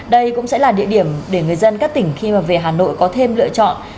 đây cũng sẽ là địa điểm để người dân các tỉnh khi mà về hà nội có thêm lựa chọn